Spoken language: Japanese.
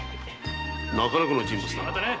なかなかの人物だな。